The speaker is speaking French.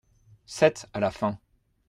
sept, à la fin.